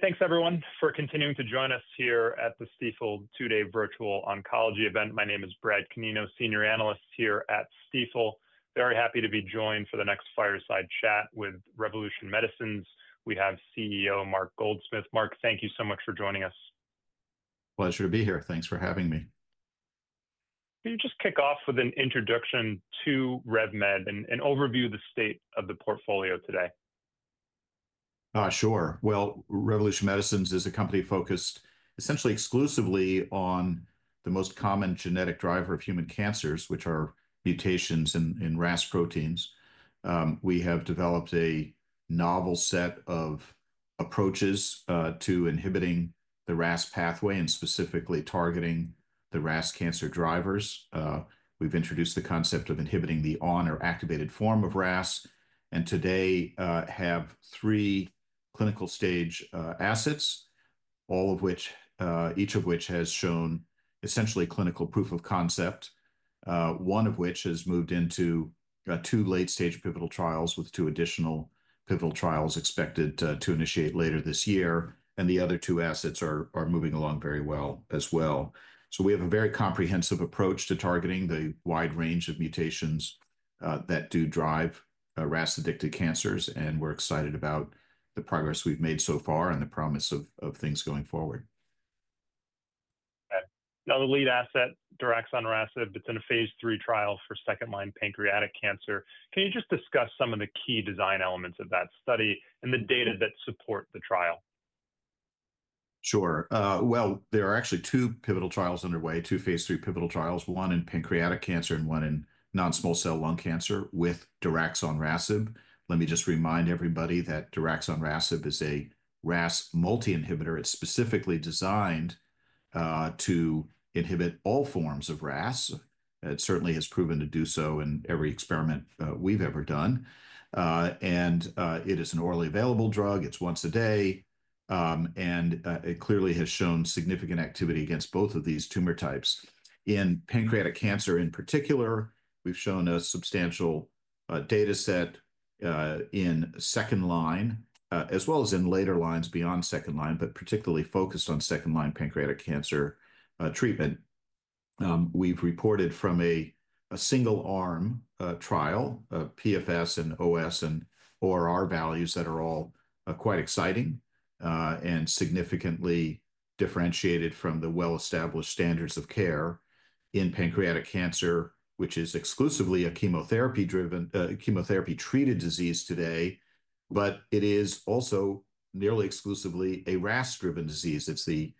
Thanks, everyone, for continuing to join us here at the Stifel two-day virtual oncology event. My name is Brad Canino, Senior Analyst here at Stifel. Very happy to be joined for the next fireside chat with Revolution Medicines. We have CEO Mark Goldsmith. Mark, thank you so much for joining us. Pleasure to be here. Thanks for having me. Can you just kick off with an introduction to RevMed and an overview of the state of the portfolio today? Sure. Revolution Medicines is a company focused essentially exclusively on the most common genetic driver of human cancers, which are mutations in RAS proteins. We have developed a novel set of approaches to inhibiting the RAS pathway and specifically targeting the RAS cancer drivers. We've introduced the concept of inhibiting the on or activated form of RAS, and today have three clinical stage assets, each of which has shown essentially clinical proof of concept, one of which has moved into two late-stage pivotal trials with two additional pivotal trials expected to initiate later this year. The other two assets are moving along very well as well. We have a very comprehensive approach to targeting the wide range of mutations that do drive RAS-addicted cancers. We're excited about the progress we've made so far and the promise of things going forward. Now, the lead asset, daraxonrasib, it's in a phase III trial for second-line pancreatic cancer. Can you just discuss some of the key design elements of that study and the data that support the trial? Sure. There are actually two pivotal trials underway, two phase III pivotal trials, one in pancreatic cancer and one in non-small cell lung cancer with daraxonrasib. Let me just remind everybody that daraxonrasib is a RAS multi-inhibitor. It's specifically designed to inhibit all forms of RAS. It certainly has proven to do so in every experiment we've ever done. It is an orally available drug. It's once a day. It clearly has shown significant activity against both of these tumor types. In pancreatic cancer in particular, we've shown a substantial data set in second line, as well as in later lines beyond second line, but particularly focused on second-line pancreatic cancer treatment. We've reported from a single-arm trial, PFS and OS and ORR values that are all quite exciting and significantly differentiated from the well-established standards of care in pancreatic cancer, which is exclusively a chemotherapy-treated disease today, but it is also nearly exclusively a RAS-driven disease. It's the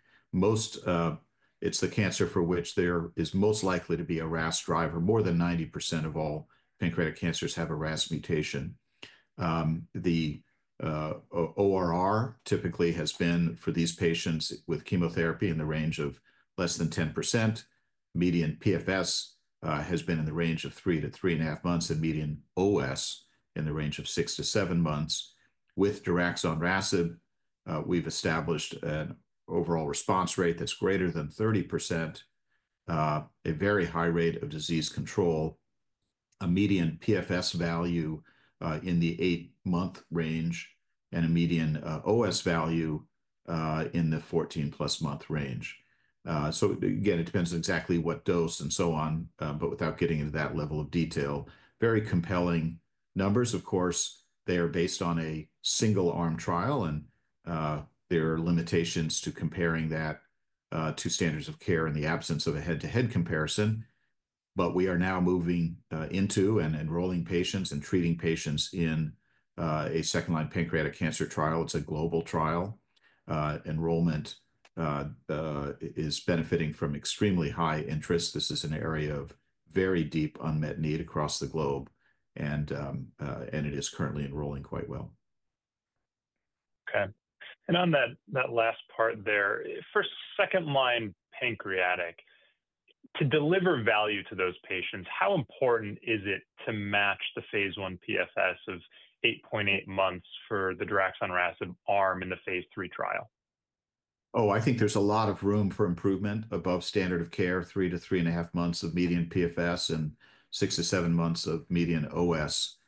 cancer for which there is most likely to be a RAS driver. More than 90% of all pancreatic cancers have a RAS mutation. The ORR typically has been for these patients with chemotherapy in the range of less than 10%. Median PFS has been in the range of three to three and a half months and median OS in the range of six to seven months. With daraxonrasib, we've established an overall response rate that's greater than 30%, a very high rate of disease control, a median PFS value in the eight-month range, and a median OS value in the 14-plus month range. Again, it depends on exactly what dose and so on, but without getting into that level of detail. Very compelling numbers, of course. They are based on a single-arm trial, and there are limitations to comparing that to standards of care in the absence of a head-to-head comparison. We are now moving into and enrolling patients and treating patients in a second-line pancreatic cancer trial. It is a global trial. Enrollment is benefiting from extremely high interest. This is an area of very deep unmet need across the globe, and it is currently enrolling quite well. Okay. On that last part there, for second-line pancreatic, to deliver value to those patients, how important is it to match the phase I PFS of 8.8 months for the daraxonrasib arm in the phase III trial? Oh, I think there's a lot of room for improvement above standard of care, three to three and a half months of median PFS and six to seven months of median OS.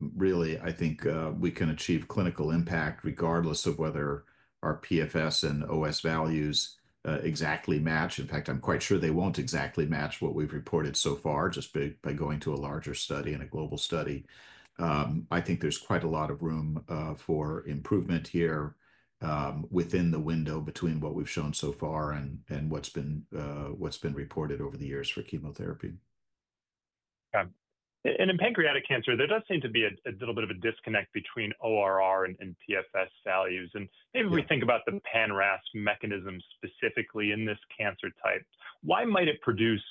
Really, I think we can achieve clinical impact regardless of whether our PFS and OS values exactly match. In fact, I'm quite sure they won't exactly match what we've reported so far just by going to a larger study and a global study. I think there's quite a lot of room for improvement here within the window between what we've shown so far and what's been reported over the years for chemotherapy. Okay. In pancreatic cancer, there does seem to be a little bit of a disconnect between ORR and PFS values. Maybe we think about the pan-RAS mechanism specifically in this cancer type. Why might it produce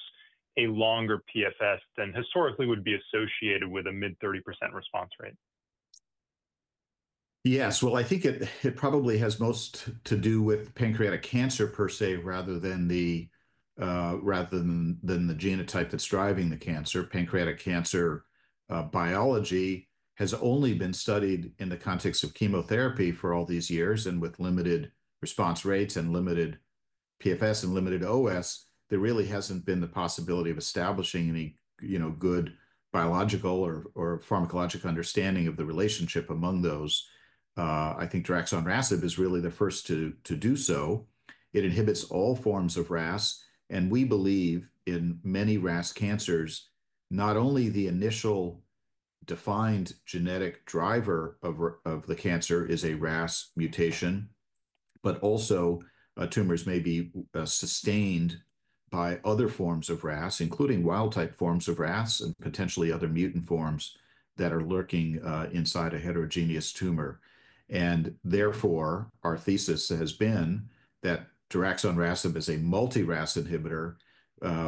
a longer PFS than historically would be associated with a mid-30% response rate? Yes. I think it probably has most to do with pancreatic cancer per se rather than the genotype that's driving the cancer. Pancreatic cancer biology has only been studied in the context of chemotherapy for all these years. With limited response rates and limited PFS and limited OS, there really hasn't been the possibility of establishing any good biological or pharmacologic understanding of the relationship among those. I think daraxonrasib is really the first to do so. It inhibits all forms of RAS, and we believe in many RAS cancers, not only the initial defined genetic driver of the cancer is a RAS mutation, but also tumors may be sustained by other forms of RAS, including wild-type forms of RAS and potentially other mutant forms that are lurking inside a heterogeneous tumor. Therefore, our thesis has been that daraxonrasib as a multi-RAS inhibitor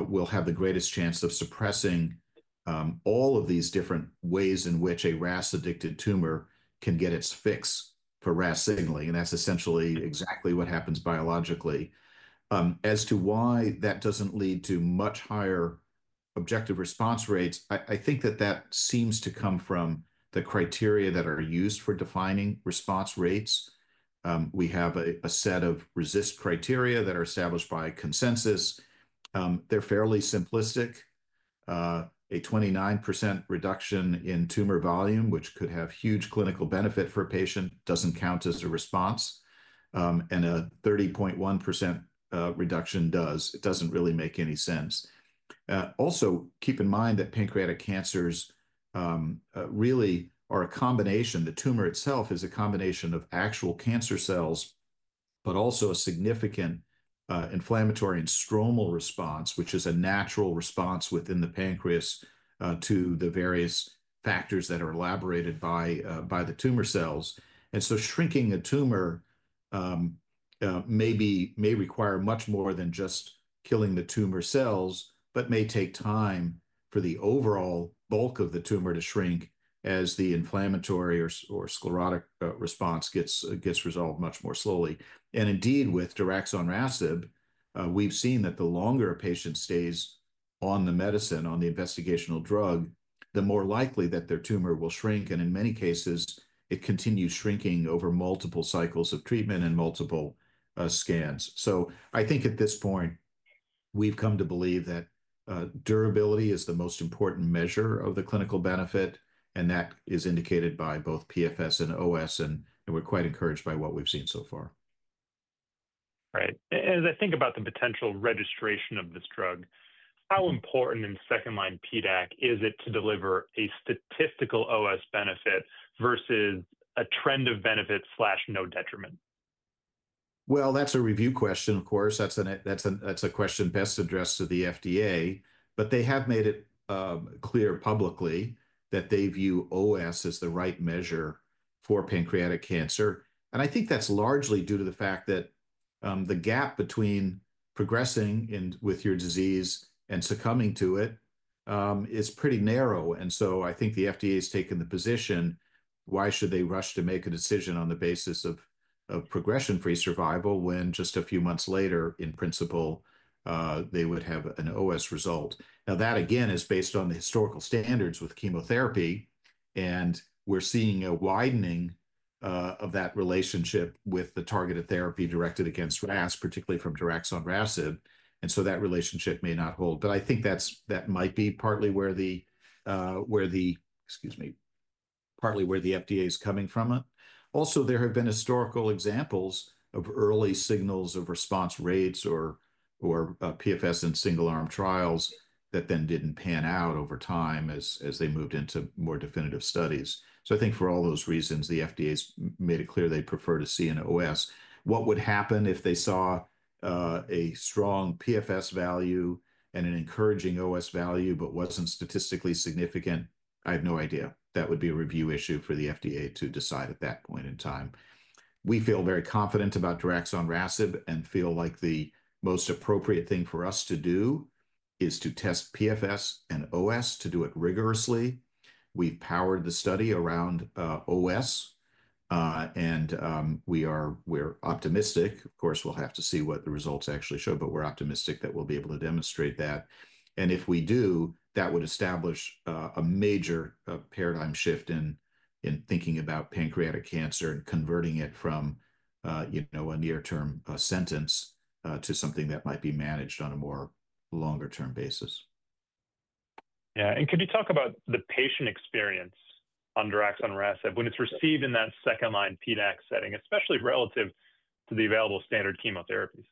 will have the greatest chance of suppressing all of these different ways in which a RAS-addicted tumor can get its fix for RAS signaling. That is essentially exactly what happens biologically. As to why that does not lead to much higher objective response rates, I think that that seems to come from the criteria that are used for defining response rates. We have a set of RECIST criteria that are established by consensus. They are fairly simplistic. A 29% reduction in tumor volume, which could have huge clinical benefit for a patient, does not count as a response. A 30.1% reduction does. It does not really make any sense. Also, keep in mind that pancreatic cancers really are a combination. The tumor itself is a combination of actual cancer cells, but also a significant inflammatory and stromal response, which is a natural response within the pancreas to the various factors that are elaborated by the tumor cells. Shrinking a tumor may require much more than just killing the tumor cells, but may take time for the overall bulk of the tumor to shrink as the inflammatory or sclerotic response gets resolved much more slowly. Indeed, with daraxonrasib, we've seen that the longer a patient stays on the medicine, on the investigational drug, the more likely that their tumor will shrink. In many cases, it continues shrinking over multiple cycles of treatment and multiple scans. I think at this point, we've come to believe that durability is the most important measure of the clinical benefit, and that is indicated by both PFS and OS. We are quite encouraged by what we have seen so far. Right. As I think about the potential registration of this drug, how important in second-line PDAC is it to deliver a statistical OS benefit versus a trend of benefit/no detriment? That's a review question, of course. That's a question best addressed to the FDA. They have made it clear publicly that they view OS as the right measure for pancreatic cancer. I think that's largely due to the fact that the gap between progressing with your disease and succumbing to it is pretty narrow. I think the FDA has taken the position, why should they rush to make a decision on the basis of progression-free survival when just a few months later, in principle, they would have an OS result? That again is based on the historical standards with chemotherapy. We're seeing a widening of that relationship with the targeted therapy directed against RAS, particularly from daraxonrasib. That relationship may not hold. I think that might be partly where the, excuse me, partly where the FDA is coming from it. Also, there have been historical examples of early signals of response rates or PFS in single-arm trials that then did not pan out over time as they moved into more definitive studies. I think for all those reasons, the FDA has made it clear they prefer to see an OS. What would happen if they saw a strong PFS value and an encouraging OS value, but it was not statistically significant? I have no idea. That would be a review issue for the FDA to decide at that point in time. We feel very confident about daraxonrasib and feel like the most appropriate thing for us to do is to test PFS and OS, to do it rigorously. We have powered the study around OS. I mean, we are optimistic. Of course, we will have to see what the results actually show, but we are optimistic that we will be able to demonstrate that. If we do, that would establish a major paradigm shift in thinking about pancreatic cancer and converting it from a near-term sentence to something that might be managed on a more longer-term basis. Yeah. Can you talk about the patient experience on daraxonrasib when it's received in that second-line PDAC setting, especially relative to the available standard chemotherapies?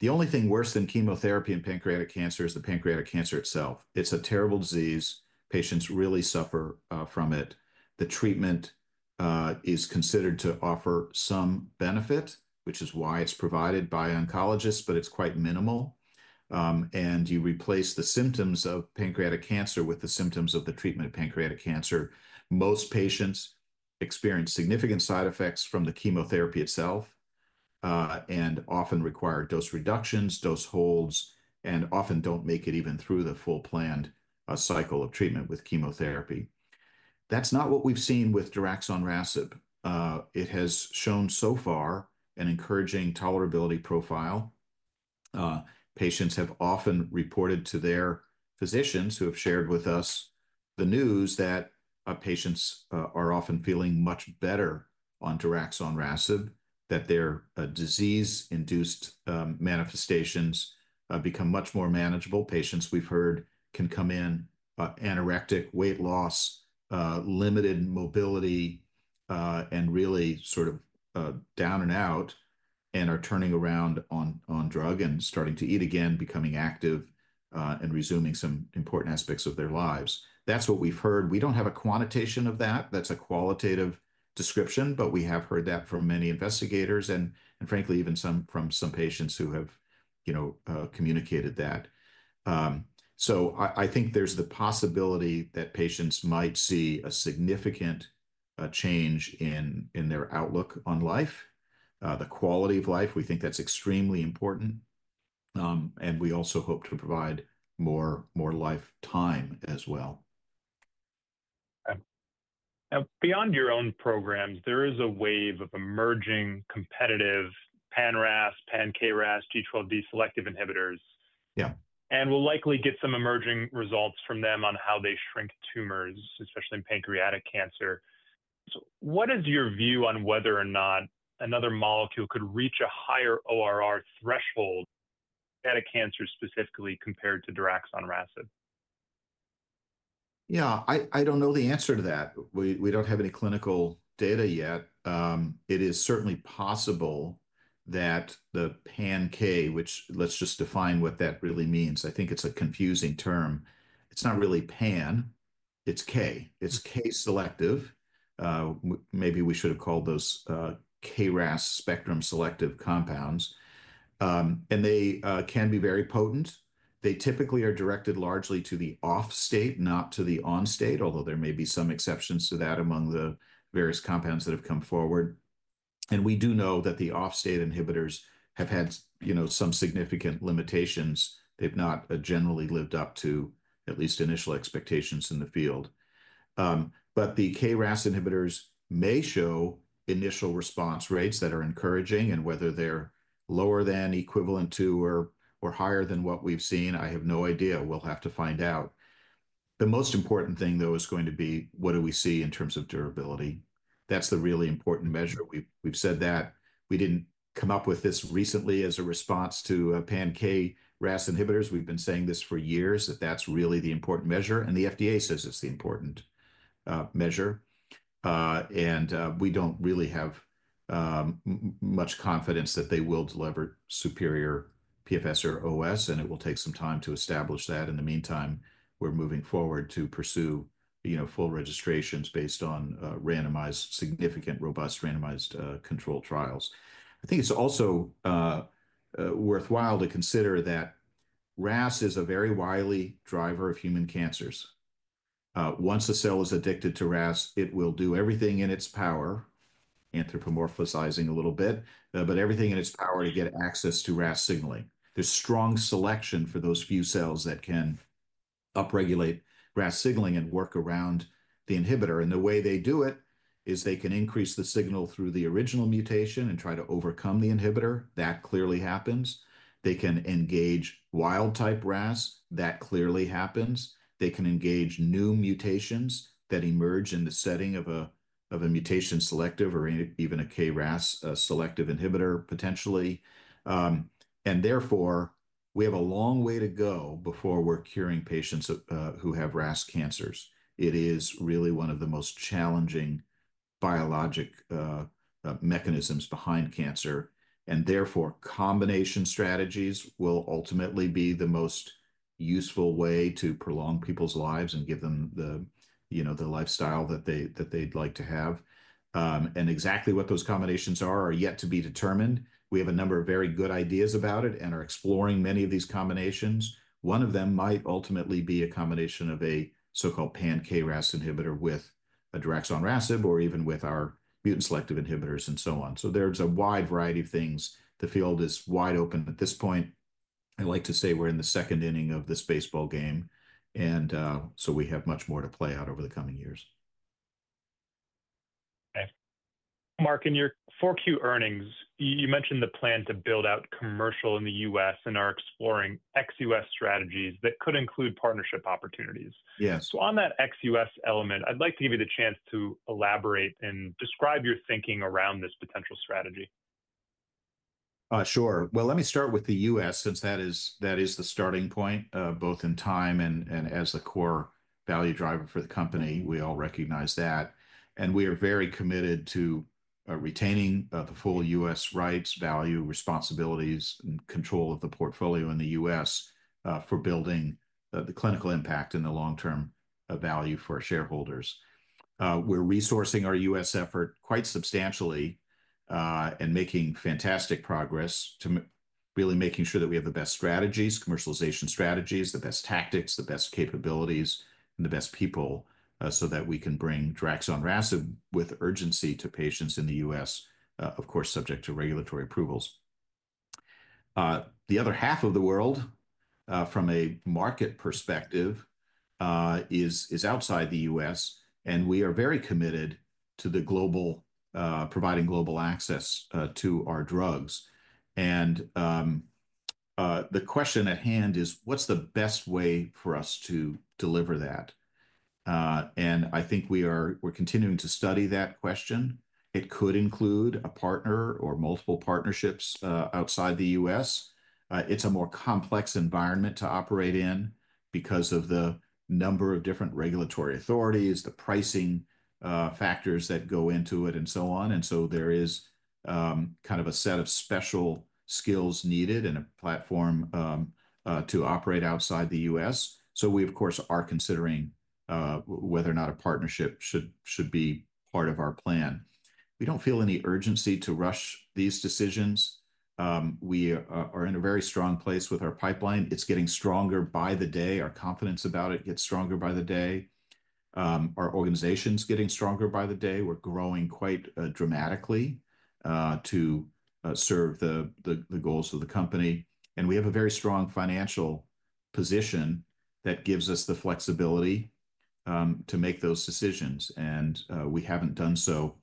The only thing worse than chemotherapy in pancreatic cancer is the pancreatic cancer itself. It's a terrible disease. Patients really suffer from it. The treatment is considered to offer some benefit, which is why it's provided by oncologists, but it's quite minimal. You replace the symptoms of pancreatic cancer with the symptoms of the treatment of pancreatic cancer. Most patients experience significant side effects from the chemotherapy itself and often require dose reductions, dose holds, and often do not make it even through the full planned cycle of treatment with chemotherapy. That's not what we've seen with daraxonrasib. It has shown so far an encouraging tolerability profile. Patients have often reported to their physicians who have shared with us the news that patients are often feeling much better on daraxonrasib, that their disease-induced manifestations become much more manageable. Patients we've heard can come in anorectic, weight loss, limited mobility, and really sort of down and out and are turning around on drug and starting to eat again, becoming active and resuming some important aspects of their lives. That's what we've heard. We don't have a quantitation of that. That's a qualitative description, but we have heard that from many investigators and frankly, even from some patients who have communicated that. I think there's the possibility that patients might see a significant change in their outlook on life, the quality of life. We think that's extremely important. We also hope to provide more lifetime as well. Now, beyond your own programs, there is a wave of emerging competitive pan-RAS, pan-KRAS, G12D selective inhibitors. Yeah. We'll likely get some emerging results from them on how they shrink tumors, especially in pancreatic cancer. What is your view on whether or not another molecule could reach a higher ORR threshold at a cancer specifically compared to daraxonrasib? Yeah, I don't know the answer to that. We don't have any clinical data yet. It is certainly possible that the pan-K, which let's just define what that really means. I think it's a confusing term. It's not really pan. It's K. It's K-selective. Maybe we should have called those KRAS spectrum selective compounds. They can be very potent. They typically are directed largely to the off-state, not to the on-state, although there may be some exceptions to that among the various compounds that have come forward. We do know that the off-state inhibitors have had some significant limitations. They've not generally lived up to at least initial expectations in the field. The KRAS inhibitors may show initial response rates that are encouraging. Whether they're lower than, equivalent to, or higher than what we've seen, I have no idea. We'll have to find out. The most important thing, though, is going to be what do we see in terms of durability. That's the really important measure. We've said that. We didn't come up with this recently as a response to pan-KRAS inhibitors. We've been saying this for years that that's really the important measure. The FDA says it's the important measure. We don't really have much confidence that they will deliver superior PFS or OS, and it will take some time to establish that. In the meantime, we're moving forward to pursue full registrations based on significant robust randomized control trials. I think it's also worthwhile to consider that RAS is a very wily driver of human cancers. Once a cell is addicted to RAS, it will do everything in its power, anthropomorphizing a little bit, but everything in its power to get access to RAS signaling. There's strong selection for those few cells that can upregulate RAS signaling and work around the inhibitor. The way they do it is they can increase the signal through the original mutation and try to overcome the inhibitor. That clearly happens. They can engage wild-type RAS. That clearly happens. They can engage new mutations that emerge in the setting of a mutation selective or even a KRAS selective inhibitor potentially. Therefore, we have a long way to go before we're curing patients who have RAS cancers. It is really one of the most challenging biologic mechanisms behind cancer. Therefore, combination strategies will ultimately be the most useful way to prolong people's lives and give them the lifestyle that they'd like to have. Exactly what those combinations are are yet to be determined. We have a number of very good ideas about it and are exploring many of these combinations. One of them might ultimately be a combination of a so-called pan-KRAS inhibitor with a daraxonrasib or even with our mutant selective inhibitors and so on. There is a wide variety of things. The field is wide open at this point. I like to say we're in the second inning of this baseball game. We have much more to play out over the coming years. Okay. Mark, in your 4Q earnings, you mentioned the plan to build out commercial in the U.S. and are exploring ex-U.S. strategies that could include partnership opportunities. Yes. On that ex-U.S. element, I'd like to give you the chance to elaborate and describe your thinking around this potential strategy. Sure. Let me start with the U.S., since that is the starting point, both in time and as the core value driver for the company. We all recognize that. We are very committed to retaining the full U.S. rights, value, responsibilities, and control of the portfolio in the U.S. for building the clinical impact and the long-term value for shareholders. We're resourcing our U.S. effort quite substantially and making fantastic progress to really making sure that we have the best strategies, commercialization strategies, the best tactics, the best capabilities, and the best people so that we can bring daraxonrasib with urgency to patients in the U.S., of course, subject to regulatory approvals. The other half of the world, from a market perspective, is outside the U.S. We are very committed to providing global access to our drugs. The question at hand is, what's the best way for us to deliver that? I think we're continuing to study that question. It could include a partner or multiple partnerships outside the U.S. It's a more complex environment to operate in because of the number of different regulatory authorities, the pricing factors that go into it, and so on. There is kind of a set of special skills needed and a platform to operate outside the U.S. We, of course, are considering whether or not a partnership should be part of our plan. We don't feel any urgency to rush these decisions. We are in a very strong place with our pipeline. It's getting stronger by the day. Our confidence about it gets stronger by the day. Our organization's getting stronger by the day. We're growing quite dramatically to serve the goals of the company. We have a very strong financial position that gives us the flexibility to make those decisions. We have not done so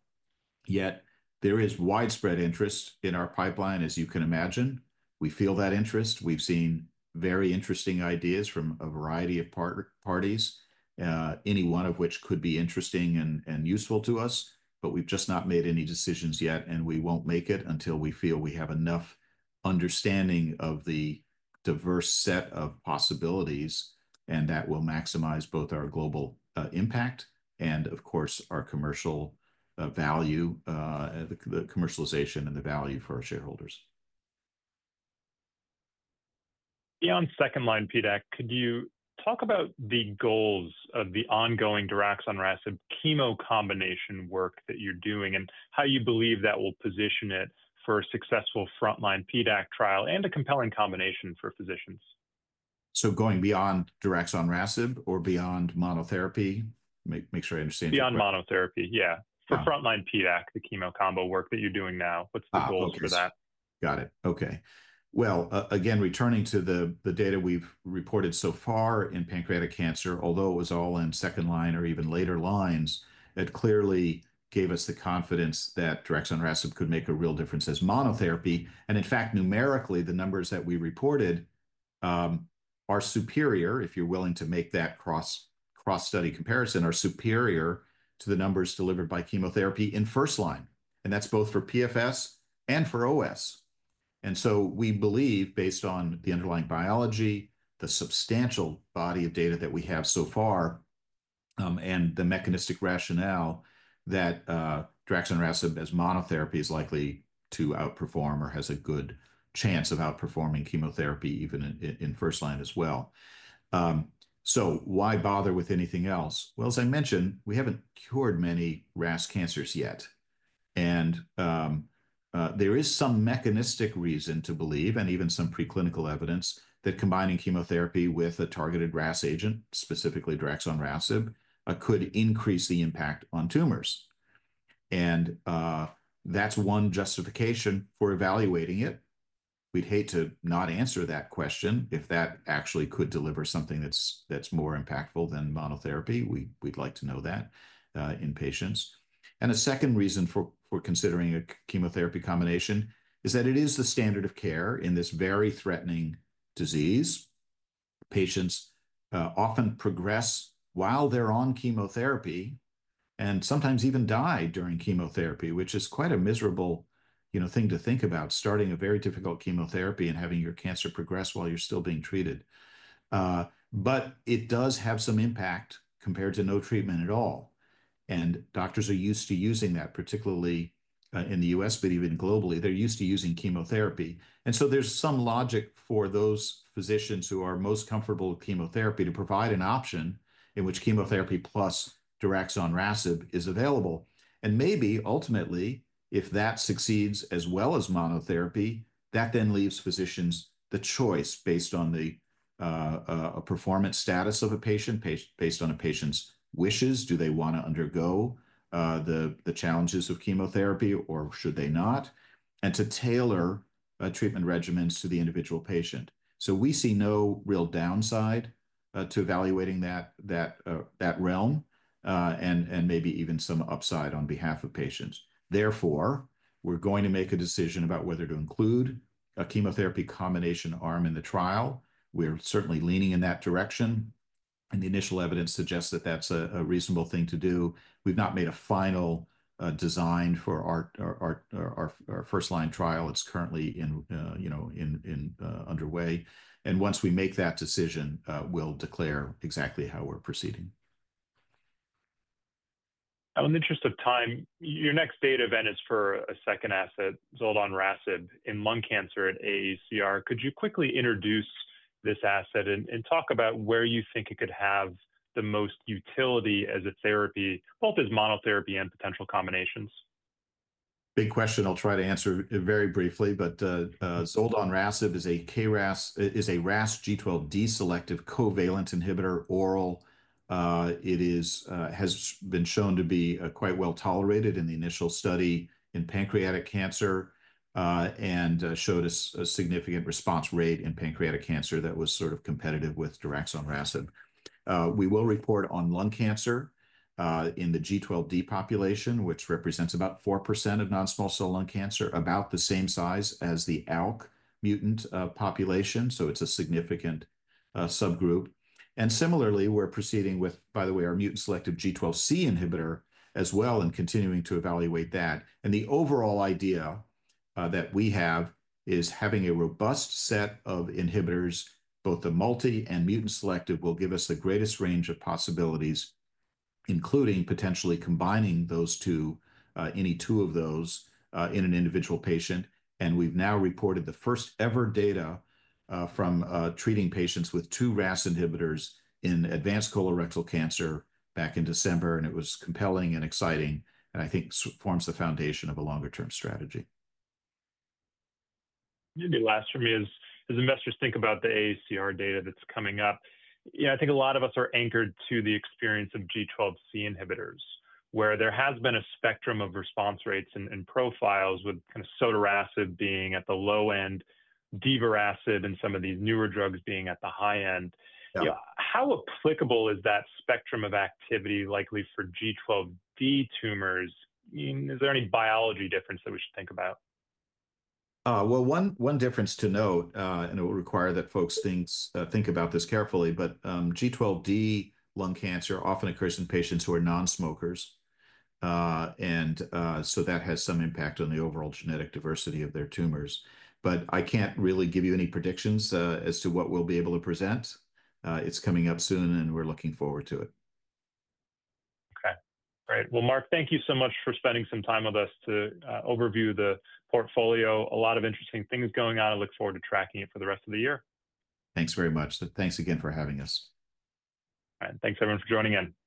yet. There is widespread interest in our pipeline, as you can imagine. We feel that interest. We have seen very interesting ideas from a variety of parties, any one of which could be interesting and useful to us. We have just not made any decisions yet, and we will not make it until we feel we have enough understanding of the diverse set of possibilities, and that will maximize both our global impact and, of course, our commercial value, the commercialization and the value for our shareholders. Beyond second-line PDAC, could you talk about the goals of the ongoing daraxonrasib chemo combination work that you're doing and how you believe that will position it for a successful front-line PDAC trial and a compelling combination for physicians? Going beyond daraxonrasib or beyond monotherapy? Make sure I understand. Beyond monotherapy, yeah. For front-line PDAC, the chemo combo work that you're doing now, what's the goal for that? Got it. Okay. Again, returning to the data we've reported so far in pancreatic cancer, although it was all in second-line or even later lines, it clearly gave us the confidence that daraxonrasib could make a real difference as monotherapy. In fact, numerically, the numbers that we reported are superior, if you're willing to make that cross-study comparison, are superior to the numbers delivered by chemotherapy in first line. That is both for PFS and for OS. We believe, based on the underlying biology, the substantial body of data that we have so far, and the mechanistic rationale, that daraxonrasib as monotherapy is likely to outperform or has a good chance of outperforming chemotherapy even in first line as well. Why bother with anything else? As I mentioned, we haven't cured many RAS cancers yet. There is some mechanistic reason to believe, and even some preclinical evidence, that combining chemotherapy with a targeted RAS agent, specifically daraxonrasib, could increase the impact on tumors. That is one justification for evaluating it. We'd hate to not answer that question if that actually could deliver something that's more impactful than monotherapy. We'd like to know that in patients. A second reason for considering a chemotherapy combination is that it is the standard of care in this very threatening disease. Patients often progress while they're on chemotherapy and sometimes even die during chemotherapy, which is quite a miserable thing to think about, starting a very difficult chemotherapy and having your cancer progress while you're still being treated. It does have some impact compared to no treatment at all. Doctors are used to using that, particularly in the U.S., but even globally. They're used to using chemotherapy. There is some logic for those physicians who are most comfortable with chemotherapy to provide an option in which chemotherapy plus daraxonrasib is available. Maybe ultimately, if that succeeds as well as monotherapy, that then leaves physicians the choice based on the performance status of a patient, based on a patient's wishes. Do they want to undergo the challenges of chemotherapy, or should they not? To tailor treatment regimens to the individual patient. We see no real downside to evaluating that realm and maybe even some upside on behalf of patients. Therefore, we're going to make a decision about whether to include a chemotherapy combination arm in the trial. We're certainly leaning in that direction. The initial evidence suggests that that's a reasonable thing to do. We've not made a final design for our first-line trial. It's currently underway. Once we make that decision, we'll declare exactly how we're proceeding. Now, in the interest of time, your next data event is for a second asset, zoldonrasib, in lung cancer at AACR. Could you quickly introduce this asset and talk about where you think it could have the most utility as a therapy, both as monotherapy and potential combinations? Big question. I'll try to answer very briefly, but zoldonrasib is a RAS G12D selective covalent inhibitor oral. It has been shown to be quite well tolerated in the initial study in pancreatic cancer and showed a significant response rate in pancreatic cancer that was sort of competitive with daraxonrasib. We will report on lung cancer in the G12D population, which represents about 4% of non-small cell lung cancer, about the same size as the ALK mutant population. It is a significant subgroup. Similarly, we're proceeding with, by the way, our mutant selective G12C inhibitor as well and continuing to evaluate that. The overall idea that we have is having a robust set of inhibitors, both the multi and mutant selective, will give us the greatest range of possibilities, including potentially combining any two of those in an individual patient. We have now reported the first-ever data from treating patients with two RAS inhibitors in advanced colorectal cancer back in December. It was compelling and exciting. I think it forms the foundation of a longer-term strategy. Maybe last for me is, as investors think about the AACR data that's coming up, I think a lot of us are anchored to the experience of G12C inhibitors, where there has been a spectrum of response rates and profiles, with kind of sotorasib being at the low end, adagrasib, and some of these newer drugs being at the high end. How applicable is that spectrum of activity likely for G12D tumors? Is there any biology difference that we should think about? One difference to note, and it will require that folks think about this carefully, but G12D lung cancer often occurs in patients who are nonsmokers. That has some impact on the overall genetic diversity of their tumors. I can't really give you any predictions as to what we'll be able to present. It's coming up soon, and we're looking forward to it. All right. Mark, thank you so much for spending some time with us to overview the portfolio. A lot of interesting things going on. I look forward to tracking it for the rest of the year. Thanks very much. Thanks again for having us. All right. Thanks, everyone, for joining in. Bye now.